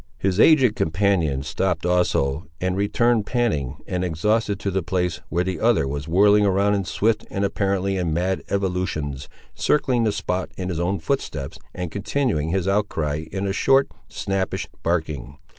His aged companion stopped also, and returned panting and exhausted to the place, where the other was whirling around in swift, and apparently in mad evolutions, circling the spot in his own footsteps, and continuing his outcry, in a short, snappish barking.